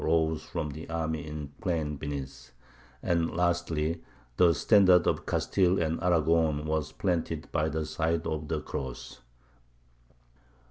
rose from the army in the plain beneath; and lastly, the standard of Castile and Aragon was planted by the side of the cross.